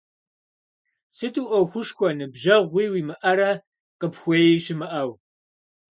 Сыту ӏуэхушхуэ, ныбжьэгъуи уимыӀэрэ къыпхуеи щымыӀэу?